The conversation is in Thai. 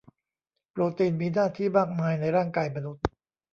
โปรตีนมีหน้าที่มากมายในร่างกายมนุษย์